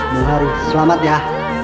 mohari selamat ya